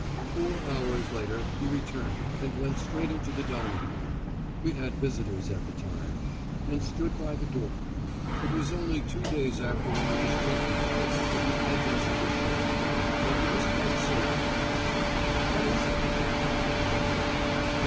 Four hours later he returned and went straight into the dining room we had visitors at the time and stood by the door. It was only two days after one of his drinking bouts and repentance in the shed, and he was quite sober. "What is it?" asked my mother.